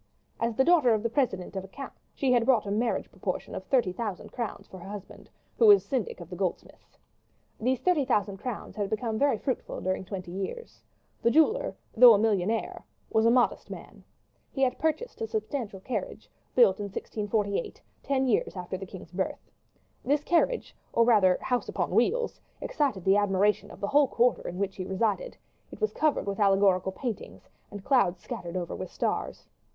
As the daughter of a president of accounts, she had brought a marriage portion of thirty thousand crowns to her husband, who was syndic of the goldsmiths. These thirty thousand crowns had become very fruitful during twenty years. The jeweler, though a millionaire, was a modest man. He had purchased a substantial carriage, built in 1648, ten years after the king's birth. This carriage, or rather house upon wheels, excited the admiration of the whole quarter in which he resided it was covered with allegorical paintings, and clouds scattered over with stars.